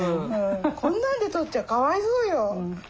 こんなんで取っちゃかわいそうよ。